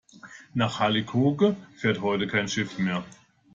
Nach Hallig Hooge fährt heute kein Schiff mehr.